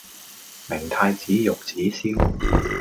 明太子玉子燒